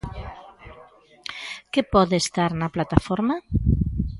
Que pode estar na plataforma?